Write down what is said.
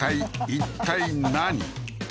一体何？